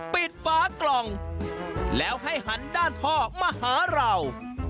ฟ้ากล่องแล้วให้หันด้านพ่อมาหาเรา